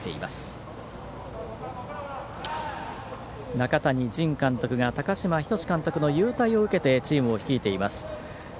中谷仁監督が高嶋仁監督の勇退を受けてチームを率いています。